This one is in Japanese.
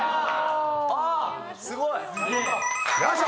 ああっすごい！よいしょ！